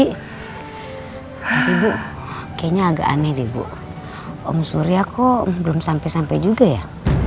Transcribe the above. ibu kayaknya agak aneh nih bu om surya kok belum sampai sampai juga ya